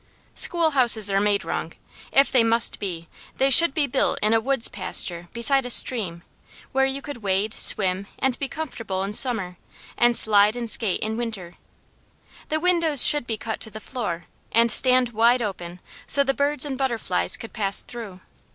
Schoolhouses are made wrong. If they must be, they should be built in a woods pasture beside a stream, where you could wade, swim, and be comfortable in summer, and slide and skate in winter. The windows should be cut to the floor, and stand wide open, so the birds and butterflies could pass through.